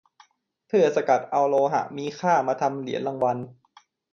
เพื่อสกัดเอาโลหะมีค่ามาทำเหรียญรางวัล